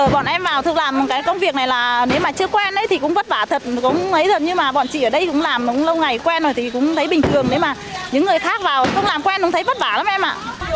bọn em vào thực làm một cái công việc này là nếu mà chưa quen thì cũng vất vả thật nhưng mà bọn chị ở đây cũng làm lâu ngày quen rồi thì cũng thấy bình thường nhưng mà những người khác vào không làm quen cũng thấy vất vả lắm em ạ